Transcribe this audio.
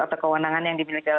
atau kewenangan yang dimiliki